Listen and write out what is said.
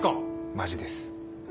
マジです。